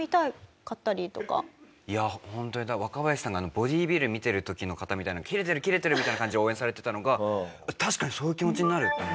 いやホントに若林さんがボディービル見てる時の方みたいな「キレてるキレてる！」みたいな感じで応援されてたのが確かにそういう気持ちになると思って。